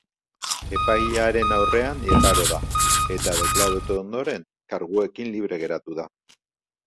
Epailearen aurrean igaro da, eta deklaratu ondoren, karguekin libre geratu da.